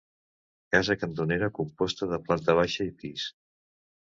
Casa cantonera, composta de planta baixa i pis.